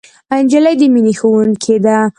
نجلۍ د مینې ښوونکې ده.